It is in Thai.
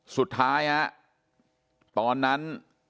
สุดท้ายฮะตอนนั้น